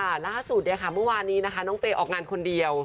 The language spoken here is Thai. ล่าสุดเนี่ยค่ะเมื่อวานนี้นะคะน้องเฟย์ออกงานคนเดียว